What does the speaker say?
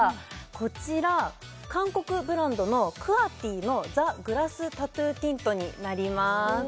こちら韓国ブランドのＱＵＡ−Ｔのザグラスタトゥーティントになります